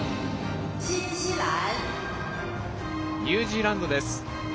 ニュージーランドです。